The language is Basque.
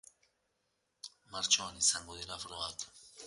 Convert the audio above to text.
Martxoan izango dira frogak.